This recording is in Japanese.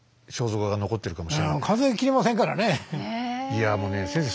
いやもうね先生